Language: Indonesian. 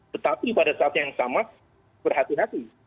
tetapi pada saat yang sama berhati hati